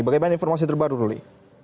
bagaimana informasi terbaru ruli